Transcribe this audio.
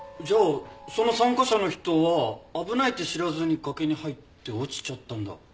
じゃあその参加者の人は危ないって知らずに崖に入って落ちちゃったんだ？